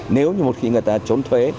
nếu như một khi người ta trốn thuế